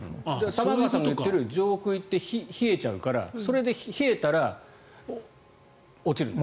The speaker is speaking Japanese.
玉川さんが言っている上空に行って冷えちゃうからそれで冷えたら落ちると。